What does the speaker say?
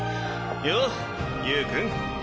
ようゆーくん。